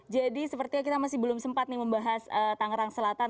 jadi sepertinya kita masih belum sempat nih membahas tangerang selatan